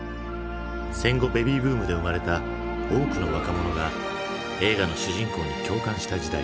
戦後ベビーブームで生まれた多くの若者が映画の主人公に共感した時代。